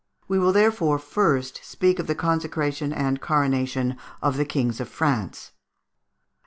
We will therefore first speak of the consecration and coronation of the kings of France.